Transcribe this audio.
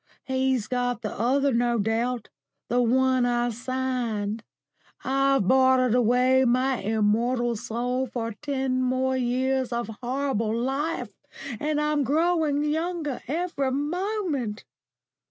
He's got the other, no doubt; the one I signed. I've bartered away my immortal soul for ten more years of horrible life, and _I'm growing younger every moment!